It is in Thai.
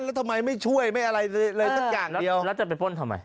แล้วทำไมไม่ช่วยไม่อะไรเลยสักอย่างเดียวแล้วจะไปป้นทำไม